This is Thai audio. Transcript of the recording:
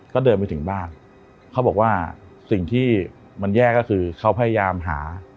ก็เดินไปถึงบ้านเขาบอกว่าสิ่งที่มันแย่ก็คือเขาพยายามหา